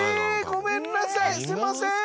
ごめんなさいすいません。